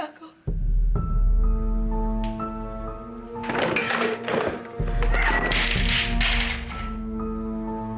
sama jalan ya sayang